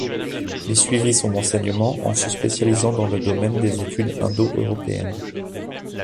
Il suivit son enseignement en se spécialisant dans le domaine des études indo-européennes.